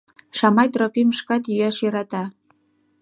Шамай Тропим шкат йӱаш йӧрата.